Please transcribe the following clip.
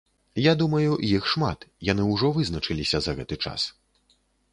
Я думаю, іх шмат, яны ўжо вызначыліся за гэты час.